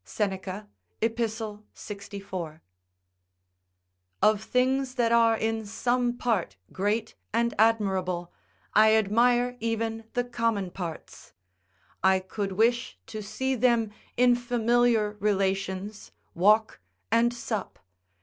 Seneca, Ep., 64.] Of things that are in some part great and admirable, I admire even the common parts: I could wish to see them in familiar relations, walk, and sup.